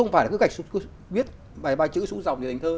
không phải là cứ viết bài bài chữ xuống dòng thì thành thơ đâu